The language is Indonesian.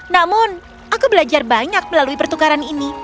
namun aku belajar banyak melalui pertukaran ini